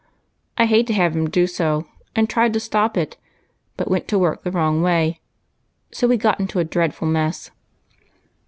I hate to have him do so, and tried to stop it, but went to work the Avrong way, so we got into a mess."